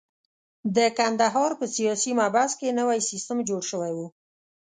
د کندهار په سیاسي محبس کې نوی سیستم جوړ شوی وو.